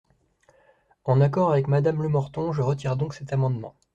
En accord avec Madame Lemorton, je retire donc cet amendement.